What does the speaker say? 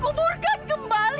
kuburkan kembali jasad itu